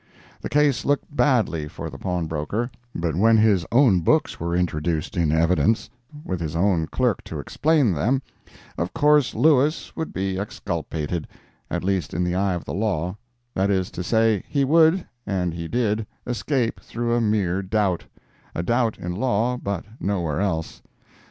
The case looked badly for the pawnbroker; but when his own books were introduced in evidence, with his own clerk to explain them, of course Lewis would be exculpated, at least in the eye of the law; that is to say, he would—and he did—escape through a mere doubt—a doubt in law, but nowhere else.